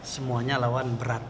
semuanya lawan berat